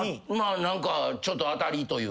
何かちょっと当たりというか。